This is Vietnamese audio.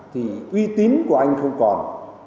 thì uy tín của anh không còn